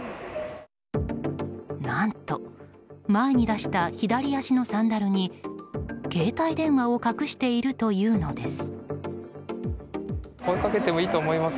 何と前に出した左足のサンダルに携帯電話を隠しているというのです。